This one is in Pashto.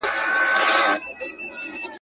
چی د ژوند مو هر گړی راته ناورین سی!